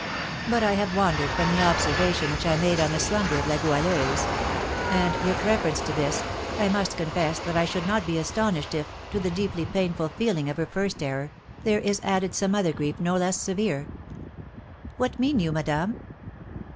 But I have wandered from the observation which I made on the slumber of La Goualeuse; and, with reference to this, I must confess that I should not be astonished if, to the deeply painful feeling of her first error, there is added some other grief no less severe." "What mean you, madame?"